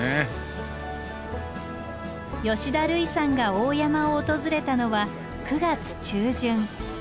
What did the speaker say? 吉田類さんが大山を訪れたのは９月中旬。